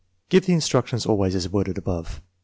l Give the instructions always as worded above.